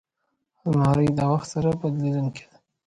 الماري د وخت سره بدلېدونکې ده